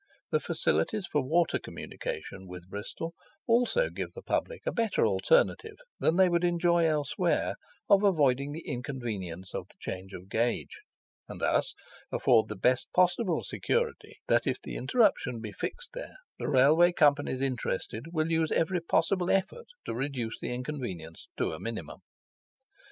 The facilities for water communication with Bristol also give the public a better alternative than they would enjoy elsewhere of avoiding the inconvenience of the change of gauge, and thus afford the best possible security, that if the interruption be fixed there, the Railway Companies interested will use every possible effort to reduce the inconvenience to a minimum.